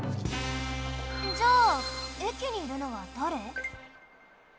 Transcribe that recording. じゃあえきにいるのはだれ？